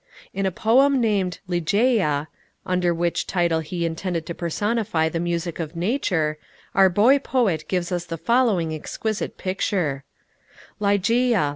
In a poem named "Ligeia," under which title he intended to personify the music of nature, our boy poet gives us the following exquisite picture: Ligeia!